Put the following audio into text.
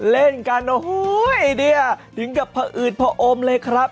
เล่นกันโอ้โฮ้ยเดี๋ยวถึงกับพระอืดพระอมเลยครับ